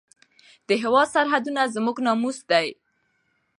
د هېواد سرحدونه زموږ ناموس دی.